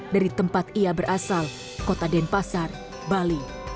dari tempat ia berasal kota denpasar bali